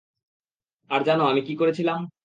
আর জানো আমি কি করেছিলাম?